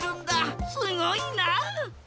すごいな！